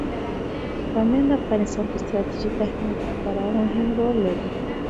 بامیان د افغانستان په ستراتیژیک اهمیت کې خورا مهم رول لري.